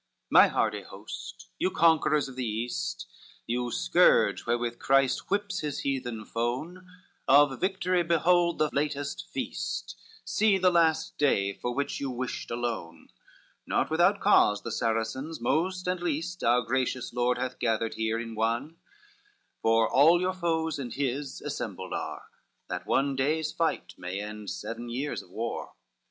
XIV "My hardy host, you conquerors of the East, You scourge wherewith Christ whips his heathen fone, Of victory behold the latest feast, See the last day for which you wished alone; Not without cause the Saracens most and least Our gracious Lord hath gathered here in one, For all your foes and his assembled are, That one day's fight may end seven years of war.